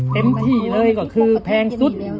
เต็มที่เลยก็คือแพงสุด